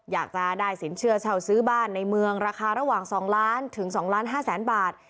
อยากจะได้สินเชื่อเช่าซื้อบ้านในเมืองราคาระหว่าง๒ล้านถึง๒ล้าน๕แสนบาท